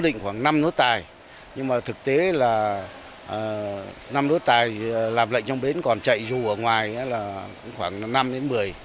năm nốt tài nhưng mà thực tế là năm nốt tài làm lệnh trong bến còn chạy dù ở ngoài là khoảng năm đến một mươi